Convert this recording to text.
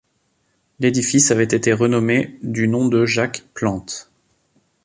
L'édifice avait été renommé du nom de Jacques Plante.